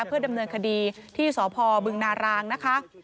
เพื่อดำเนินคดีที่สพบึงนารางนะคะ